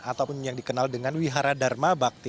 ataupun yang dikenal dengan wihara dharma bakti